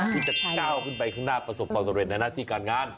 ที่จะก้าวขึ้นไปข้างหน้าประสบความสำเร็จในหน้าที่การงาน